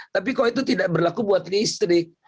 tapi kok itu tidak berlaku buat listrik